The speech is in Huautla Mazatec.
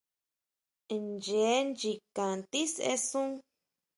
Ncheé nchikan tisesun.